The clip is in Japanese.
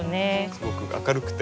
すごく明るくて。